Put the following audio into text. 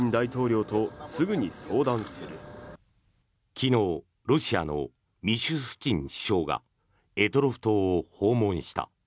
昨日ロシアのミシュスチン首相が択捉島を訪問した。